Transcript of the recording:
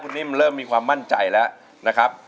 นิ่มเริ่มมีความมั่นใจแล้วนะครับ